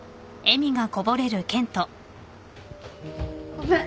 ごめん。